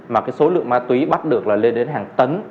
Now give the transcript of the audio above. mà cái số lượng ma túy bắt được là lên đến hàng tấn